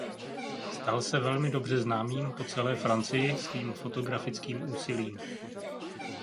Stal se velmi dobře známým po celé Francii svým fotografickým úsilím.